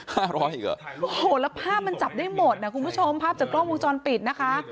ห้าร้อยอีกเหรอโอ้โหแล้วภาพมันจับได้หมดน่ะคุณผู้ชมภาพจากกล้องวงจรปิดนะคะ